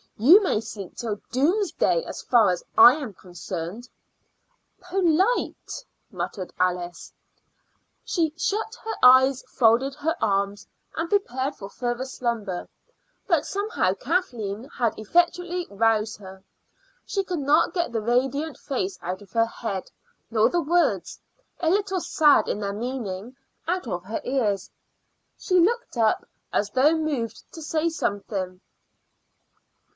"You may sleep till doomsday as far as I am concerned." "Polite," muttered Alice. She shut her eyes, folded her arms, and prepared for further slumber; but somehow Kathleen had effectually aroused her. She could not get the radiant face out of her head, nor the words, a little sad in their meaning, out of her ears. She looked up as though moved to say something.